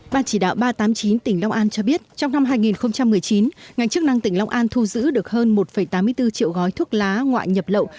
ban chỉ đạo ba trăm tám mươi chín tỉnh long an cho biết trong năm hai nghìn một mươi chín ngành chức năng tỉnh long an thu giữ được hơn một tám mươi bốn triệu gói thuốc lá ngoại nhập lậu